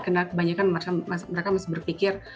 karena kebanyakan mereka masih berpikir